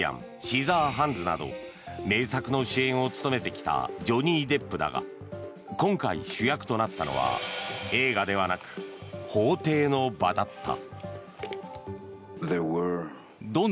「シザーハンズ」など名作の主演を務めてきたジョニー・デップだが今回主役となったのは映画ではなく、法廷の場だった。